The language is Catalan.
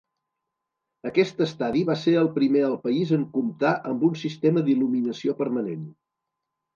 Aquest estadi va ser el primer al país en comptar amb un sistema d'il·luminació permanent.